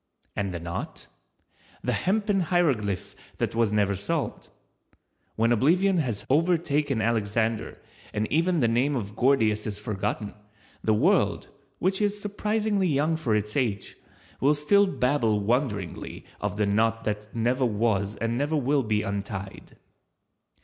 And the knot? The hempen hieroglyph that was never solved. When oblivion has overtaken Alexander and even the name of Gordius is forgotten, the world, which is surprisingly young for its age, will still babble wonderingly of the knot that never was and never will be untied.